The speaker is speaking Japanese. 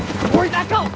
中を！